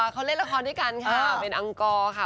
เขาเล่นละครด้วยกันค่ะเป็นอังกรค่ะ